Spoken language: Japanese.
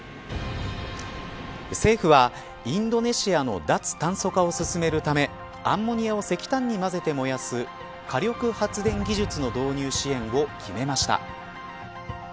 政府はインドネシアの脱炭素化を進めるためアンモニアを石炭に混ぜて燃やす火力発電技術の導入支援を決めました。